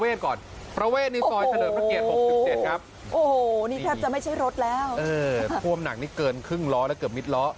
เออท่วมหนังนี่เกินครึ่งล้อและก็เกือบมิดล้อ